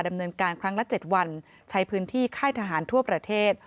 เป็นการครั้งละ๗วันใช้พื้นที่ค่ายทหารทั่วประเทศ